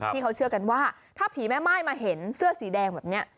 ที่เขาเชื่อกันว่าถ้าผีแม่ม่ายมาเห็นเสื้อสีแดงแบบนี้